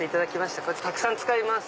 たくさん使います。